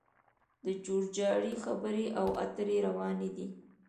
د جوړجاړي خبرې او اترې روانې دي